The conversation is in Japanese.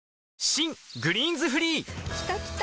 新「グリーンズフリー」きたきた！